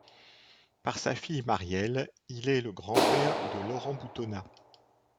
Par sa fille Marielle, il est le grand-père de Laurent Boutonnat.